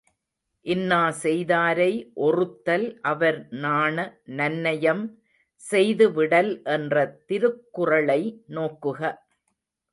இன்னாசெய் தாரை ஒறுத்தல் அவர்நாண நன்னயம் செய்து விடல் என்ற திருக்குறளை நோக்குக.